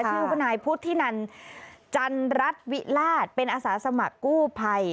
ชื่อว่านายพุทธินันจันรัฐวิราชเป็นอาสาสมัครกู้ภัย